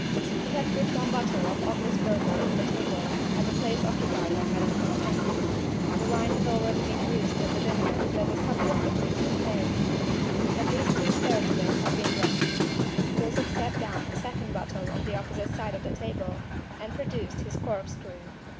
He had put one bottle of Ohligsberger on the table, at the place occupied by Madame Fontaine. The wine had already been used at the dinner and the supper of the previous day. At least two thirds of it had been drunk. Joseph set down a second bottle on the opposite side of the table, and produced his corkscrew.